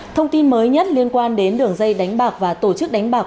thông tin mới nhất liên quan đến đường dây đánh bạc và tổ chức đánh bạc